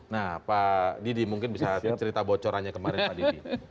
nah pak didi mungkin bisa cerita bocorannya kemarin pak didi